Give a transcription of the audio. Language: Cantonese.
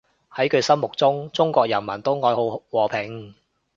喺佢心目中，中國人民都愛好和平